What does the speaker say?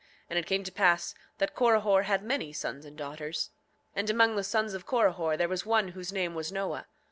7:14 And it came to pass that Corihor had many sons and daughters. And among the sons of Corihor there was one whose name was Noah.